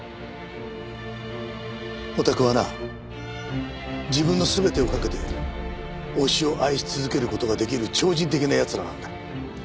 オタクはな自分の全てを懸けて推しを愛し続ける事ができる超人的な奴らなんだ。